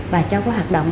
và cho các hoạt động